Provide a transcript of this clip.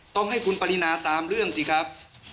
ต้องให้คุณปรินาตามเรื่องสิครับ